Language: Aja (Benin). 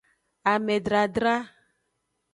Amedradra.